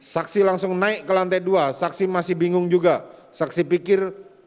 saksi langsung naik ke lantai dua saksi masih bingung juga saksi pikir